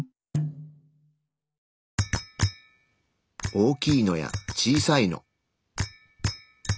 大きいのや小さいの。